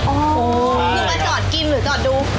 หรือมาจอดกินหรือจอดดู